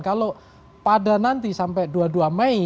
kalau pada nanti sampai dua puluh dua mei